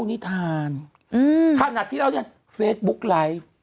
คุณหนุ่มกัญชัยได้เล่าใหญ่ใจความไปสักส่วนใหญ่แล้ว